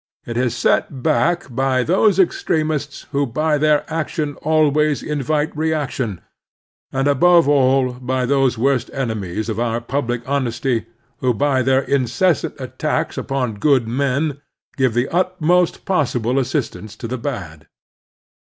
It is set back by those extremists who by their action always invite reaction, and, above all, by those worst enemies of our public honesty who by their incessant attacks upon good men give the utmost possible assistance to the bad.